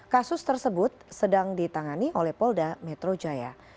kasus tersebut sedang ditangani oleh polda metro jaya